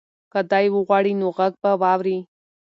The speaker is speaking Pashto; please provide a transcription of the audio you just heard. که دی وغواړي نو غږ به واوري.